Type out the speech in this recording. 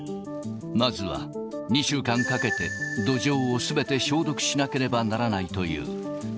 まずは、２週間かけて、土壌をすべて消毒しなければならないという。